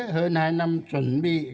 hơn hai năm chuẩn bị